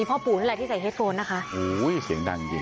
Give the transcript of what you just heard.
พ่อปู่ฤาษีเทพนรสิงค่ะมีเฮ็ดโฟนเหมือนเฮ็ดโฟน